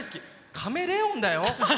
「カメレオン」だよ！